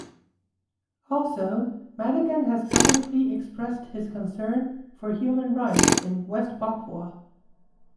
Also, Madigan has publicly expressed his concern for human rights in West Papua.